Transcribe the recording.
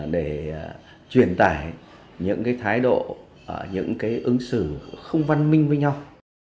để truyền tải những cái thái độ những cái ứng xử không văn minh với nhau